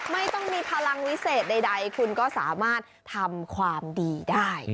ไม่ต้องมีพลังวิเศษใดคุณก็สามารถทำความดีได้